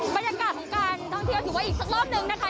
บรรยากาศของการท่องเที่ยวถือว่าอีกสักรอบนึงนะคะ